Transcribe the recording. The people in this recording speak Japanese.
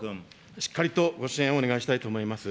しっかりとご支援をお願いしたいと思います。